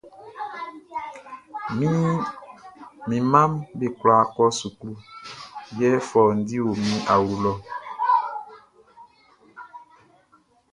Mi mmaʼm be kwla kɔ suklu, yɛ fɔundi o mi awlo lɔ.